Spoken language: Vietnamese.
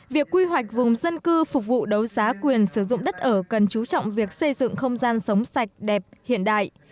việc quy hoạch vùng dân cư phục vụ đấu giá quyền sử dụng đất ở cần chú trọng việc xây dựng không gian sống sạch đẹp hiện đại